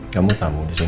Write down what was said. kamu tamu disini